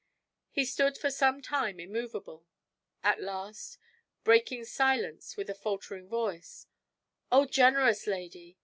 He stood for some time immovable. At last, breaking silence with a faltering voice: "O generous lady!